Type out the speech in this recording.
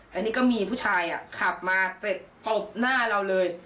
แต่นี่ก็มีผู้ชายขับมาเสร็จตบหน้าเราเลย